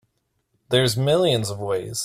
There's millions of ways.